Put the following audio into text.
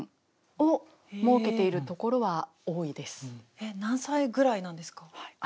えっ何歳ぐらいなんですか？